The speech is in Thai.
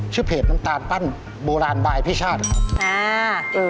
ชื่อเพจน้ำตาลปั้นโบราณบายพิชาตินะครับ